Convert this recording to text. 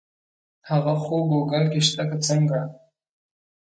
هغه خو ګوګل کې شته که څنګه.